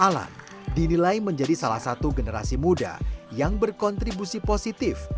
alan dinilai menjadi salah satu generasi muda yang berkontribusi positif